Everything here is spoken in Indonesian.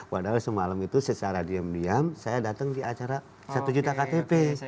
padahal semalam itu secara diam diam saya datang di acara satu juta ktp